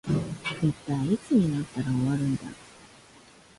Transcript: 一体いつになったら終わるんだ